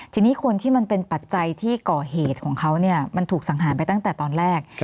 ทีนี้คนที่มันเป็นปัจจัยที่ก่อเหตุของเขาเนี่ยมันถูกสังหารไปตั้งแต่ตอนแรก